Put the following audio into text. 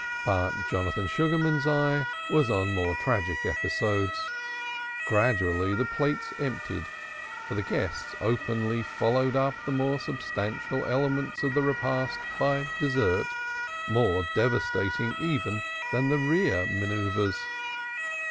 But Jonathan Sugarman's eye was on more tragic episodes. Gradually the plates emptied, for the guests openly followed up the more substantial elements of the repast by dessert, more devastating even than the rear manoeuvres.